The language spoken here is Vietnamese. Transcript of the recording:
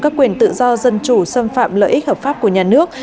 các quyền tự do dân chủ xâm phạm lợi ích hợp pháp của nhà nước